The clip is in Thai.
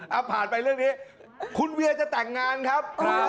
เอาผ่านไปเรื่องนี้คุณเวียจะแต่งงานครับ